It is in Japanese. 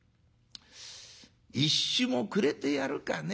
１朱もくれてやるかね。